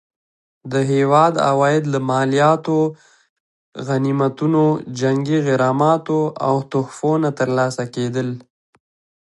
د هیواد عواید له مالیاتو، غنیمتونو، جنګي غراماتو او تحفو نه ترلاسه کېدل.